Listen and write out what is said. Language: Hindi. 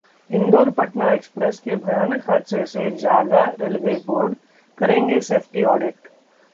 इंदौर पटना एक्सप्रेस के भयानक हादसे से जागा रेलवे बोर्ड, करेंगे सेफ्टी ऑडिट